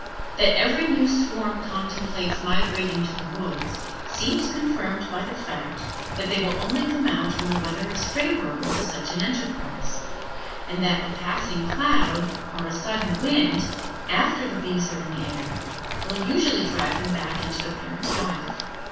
That every new swarm contemplates migrating to the woods, seems confirmed by the fact that they will only come out when the weather is favorable to such an enterprise, and that a passing cloud or a sudden wind, after the bees are in the air, will usually drive them back into the parent hive.